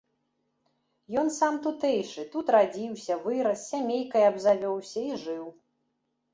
Ён сам тутэйшы, тут радзіўся, вырас, сямейкай абзавёўся і жыў.